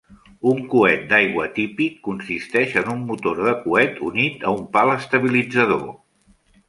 Un coet d'aigua típic consisteix en un motor de coet unit a un pal estabilitzador.